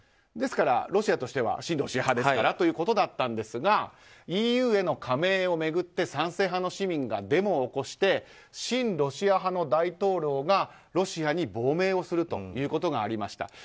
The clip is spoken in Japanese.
ですから、ロシアとしては親ロシア派ですからということだったんですがＥＵへの加盟を巡って賛成派の市民がデモを起こして親ロシア派の大統領がロシアに亡命をするということがありました。